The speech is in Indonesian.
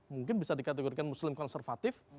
mungkin bisa dikategorikan muslim konservatif